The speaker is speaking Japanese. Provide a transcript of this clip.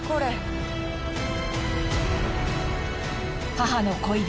母の恋人